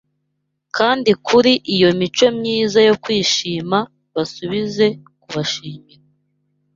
Kandi kuri iyo mico myiza yo kwishima Basubize kubashimira